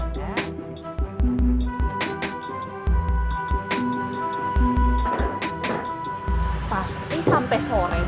iya dua macem